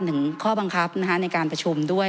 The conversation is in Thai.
ถึงข้อบังคับในการประชุมด้วย